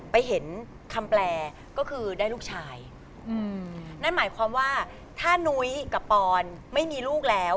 ไปเห็นคำแปลก็คือได้ลูกชายอืมนั่นหมายความว่าถ้านุ้ยกับปอนไม่มีลูกแล้ว